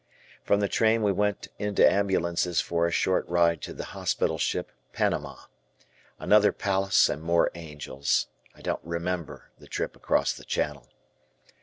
} From the train we went into ambulances for a short ride to the hospital ship Panama. Another palace and more angels. I don't remember the trip across the channel.